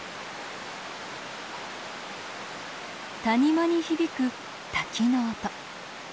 谷間に響く滝の音。